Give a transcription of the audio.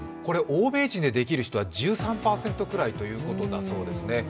欧米人でできる人は１３％くらいということだそうですね。